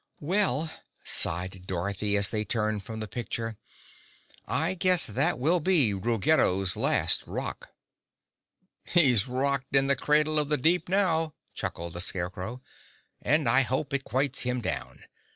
"Well," sighed Dorothy as they turned from the picture, "I guess that will be Ruggedo's last rock!" "He's rocked in the cradle of the deep now," chuckled the Scarecrow. "And I hope it quiets him down.